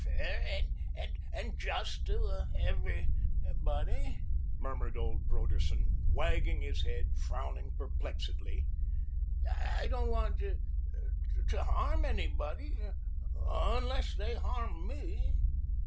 "Fair and just to everybody," murmured old Broderson, wagging his head, frowning perplexedly. "I don't want to to to harm anybody unless they harm me."